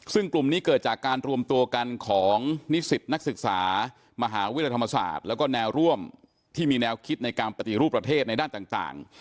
ซึ่งกลุ่มนี้เกิดจากการรวมตัวกันของนิสิตนักศึกษามหาวิทยาลัยธรรมศาสตร์แล้วก็แนวร่วมที่มีแนวคิดในการปฏิรูปประเทศในด้านต่าง